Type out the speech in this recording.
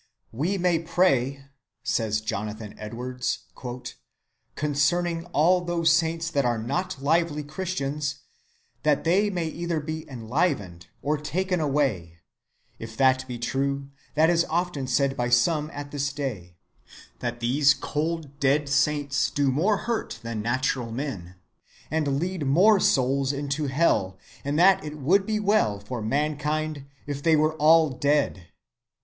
"We may pray," says Jonathan Edwards, "concerning all those saints that are not lively Christians, that they may either be enlivened, or taken away; if that be true that is often said by some at this day, that these cold dead saints do more hurt than natural men, and lead more souls to hell, and that it would be well for mankind if they were all dead."